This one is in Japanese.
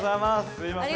すいません。